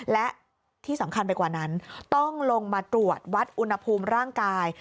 และที่สำคัญไปกว่านั้นต้องลงมาตรวจวัดอุณหภูมิร่างกาย